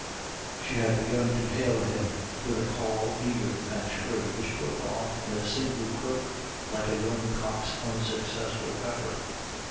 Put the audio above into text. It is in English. She had begun to hail him with a call eager and shrill, which broke off in a strangled croak, like a young cock's unsuccessful effort.